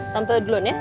tante duluan ya